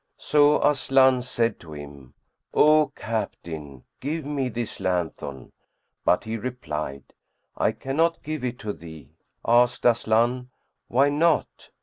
So Aslan said to him, "O Captain, give me this lanthorn;" but he replied, "I cannot give it to thee." Asked Aslan, "Why not?"